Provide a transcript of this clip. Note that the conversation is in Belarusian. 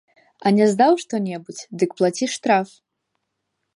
А не здаў што-небудзь, дык плаці штраф.